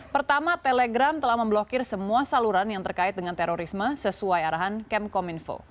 pertama telegram telah memblokir semua saluran yang terkait dengan terorisme sesuai arahan kemkominfo